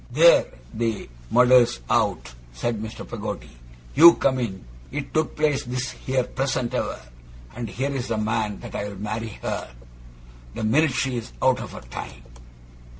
Theer! the murder's out!' said Mr. Peggotty 'You come in! It took place this here present hour; and here's the man that'll marry her, the minute she's out of her time.